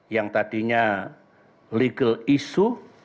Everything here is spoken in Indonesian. yang tadinya legal issue